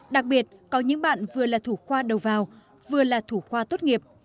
đặc biệt có những bạn vừa là thủ khoa đầu vào vừa là thủ khoa tốt nghiệp